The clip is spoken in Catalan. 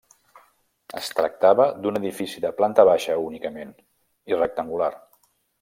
Es tractava d'un edifici de planta baixa únicament i rectangular.